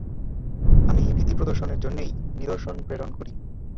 আমি ভীতি প্রদর্শনের জন্যেই নিদর্শন প্রেরণ করি।